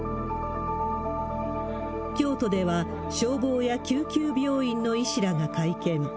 京都では、消防や救急病院の医師らが会見。